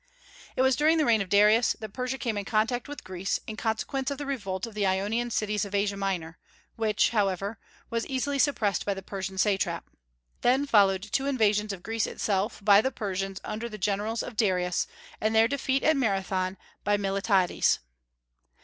It was during the reign of Darius that Persia came in contact with Greece, in consequence of the revolt of the Ionian cities of Asia Minor, which, however, was easily suppressed by the Persian satrap. Then followed two invasions of Greece itself by the Persians under the generals of Darius, and their defeat at Marathon by Miltiades.